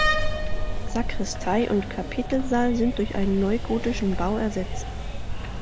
Sakristei und Kapitelsaal sind durch einen neugotischen Bau ersetzt.